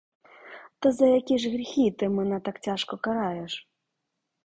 Та за які ж гріхи ти мене так тяжко караєш?